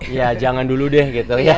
ya jangan dulu deh gitu ya